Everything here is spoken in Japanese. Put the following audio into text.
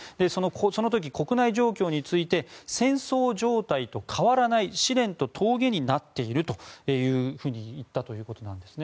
その時、国内状況について戦争状態と変わらない試練と峠になっていると言ったということです。